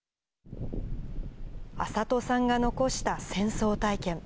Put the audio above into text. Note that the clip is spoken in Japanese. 安里さんが残した戦争体験。